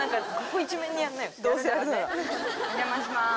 お邪魔します。